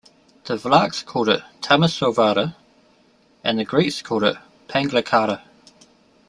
The Vlachs called it Tomisovara and the Greeks called it Panglicara.